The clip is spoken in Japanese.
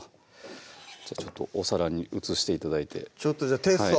ちょっとお皿に移して頂いてちょっとじゃあテスト！